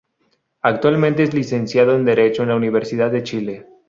Actualmente es licenciado en derecho en la Universidad de Chile.